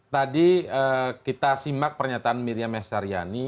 tadi kita simak pernyataan miriam mehtaryani